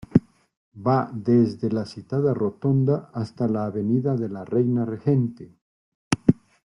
Va desde la citada rotonda hasta la avenida de la Reina Regente.